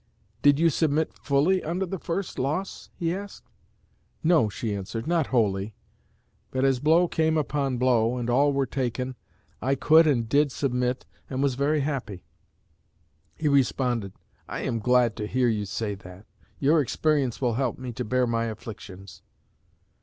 'Did you submit fully under the first loss?' he asked. 'No,' she answered, 'not wholly; but as blow came upon blow, and all were taken, I could and did submit, and was very happy.' He responded, 'I am glad to hear you say that. Your experience will help me to bear my afflictions.'